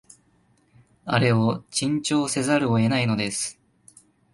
あれを珍重せざるを得ないのです